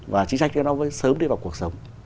và chính sách cho nó sớm đi vào cuộc sống